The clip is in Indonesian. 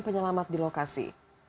selamat di lokasi